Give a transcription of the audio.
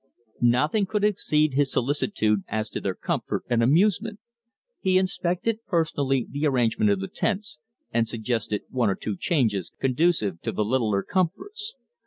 Nothing could exceed his solicitude as to their comfort and amusement. He inspected personally the arrangement of the tents, and suggested one or two changes conducive to the littler comforts.